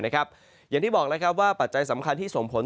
อย่างที่บอกแล้วว่าปัจจัยสำคัญที่ส่งผล